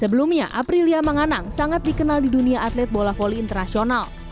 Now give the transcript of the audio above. sebelumnya aprilia menganang sangat dikenal di dunia atlet bola volley internasional